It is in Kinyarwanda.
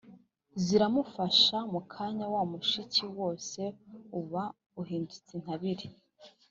ziramufasha, mu kanya wa mushike wose uba uhindutse intabire.